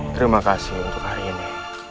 terima kasih untuk hari ini